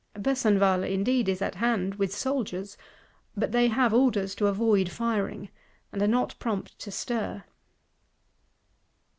Besenval indeed is at hand with soldiers; but they have orders to avoid firing, and are not prompt to stir.